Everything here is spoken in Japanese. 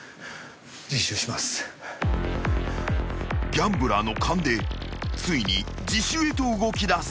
［ギャンブラーの勘でついに自首へと動きだす］